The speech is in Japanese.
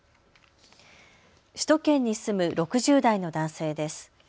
首都圏に住む６０代の男性です。